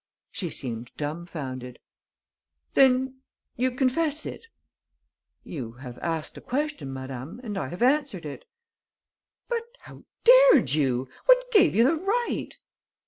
She seemed dumbfounded: "Then you confess it?" "You have asked a question, madame, and I have answered it." "But how dared you? What gave you the right?"